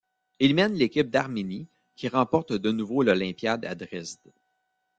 Il mène l'équipe d'Arménie qui remporte de nouveau l'olympiade à Dresde.